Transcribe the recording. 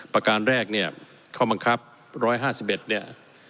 ประการแรกเนี้ยข้อบังคับร้อยห้าสิบเอ็ดเนี้ย